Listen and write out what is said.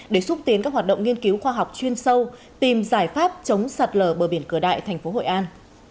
để xúc tiến các hoạt động nghiên cứu khoa học chuyên sâu tìm giải pháp chống sạt lở bờ biển cửa đại tp hội an